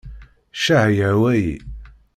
Ccah yehwa-yi.